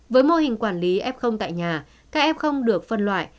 với mô hình quản lý f tại nhà các f được phân loại